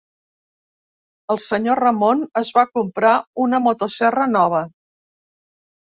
El senyor Ramon es va comprar una motoserra nova.